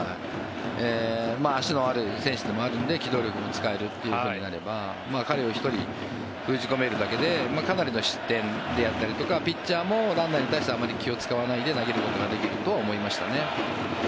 足のある選手でもあるので機動力も使えるということになれば彼を１人封じ込めるだけでかなりの失点であったりとかピッチャーもランナーに対してあまり気を使わないで投げることができるなとは思いましたね。